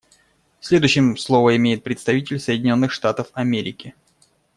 Следующим слово имеет представитель Соединенных Штатов Америки.